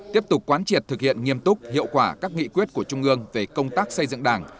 tiếp tục quán triệt thực hiện nghiêm túc hiệu quả các nghị quyết của trung ương về công tác xây dựng đảng